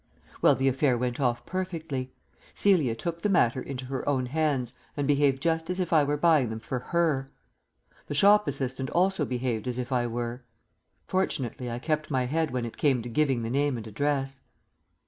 Well, the affair went off perfectly. Celia took the matter into her own hands and behaved just as if I were buying them for her. The shop assistant also behaved as if I were. Fortunately I kept my head when it came to giving the name and address.